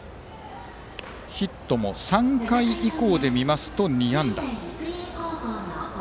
ヒットも３回以降で見ますと２安打。